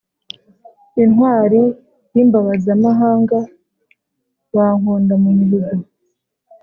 Intwali y’Imbabazamahanga bankunda mu mihigo.